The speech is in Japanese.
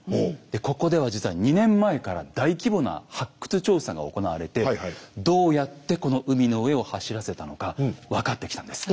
でここでは実は２年前から大規模な発掘調査が行われてどうやってこの海の上を走らせたのか分かってきたんです。